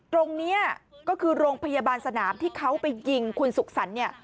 ตรงนี้ก็คือโรงพยาบาลสนามที่เขาไปยิงคุณศุกร์สัน